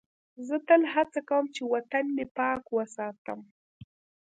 زه تل هڅه کوم چې وطن مې پاک وساتم.